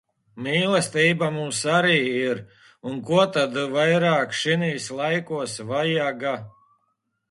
Mīlestība mums arī ir un ko tad vairāk šinīs laikos vajaga.